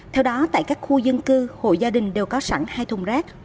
theo đó tại các khu dân cư hộ gia đình đều có sẵn hai thùng rác